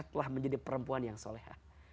bertekadlah menjadi perempuan yang solehah